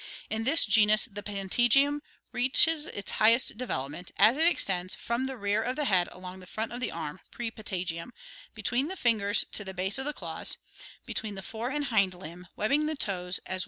In this genus the patagium reaches its highest development, as it extends from the rear of the head along the front of the arm (prepatagium), between the fingers to the base of the claws, between the fore and hind limb, webbing the toes as well Fig.